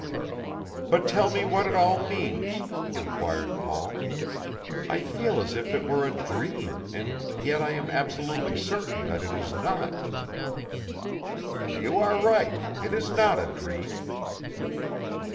"But tell me what it all means," inquired Paul. "I feel as if it were a dream, and yet I am absolutely certain that it is not." "You are right; it is not a dream.